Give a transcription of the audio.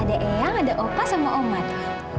ada eyang ada opa sama oma tuh